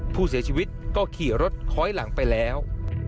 ผู้เสียชีวิตก็ขี่รถค้อยหลังไปแล้ว